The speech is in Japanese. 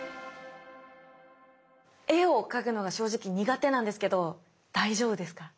絵を描くのが正直苦手なんですけど大丈夫ですか？